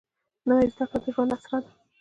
نوې زده کړه د ژوند اسره ده